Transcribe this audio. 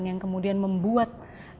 yang kemudian membuat